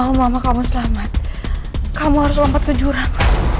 kalau mama kamu selamat kamu harus lompat ke jurang